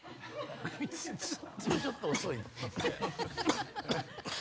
ちょっと遅いねん。